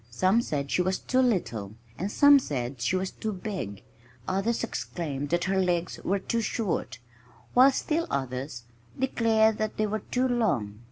Some said she was too little and some said she was too big; others exclaimed that her legs were too short, while still others declared that they were too long!